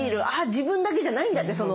あっ自分だけじゃないんだって